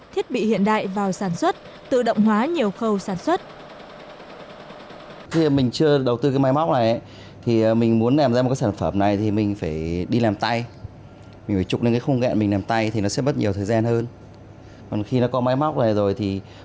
thiết bị hiện đại vào sản xuất tự động hóa nhiều khâu sản xuất